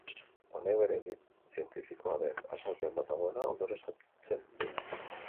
Honek berez zientifikoa den azalpen bat dagoela ondorioztatzen du.